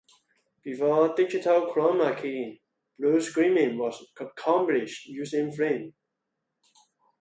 Before digital chroma keying, bluescreening was accomplished using film.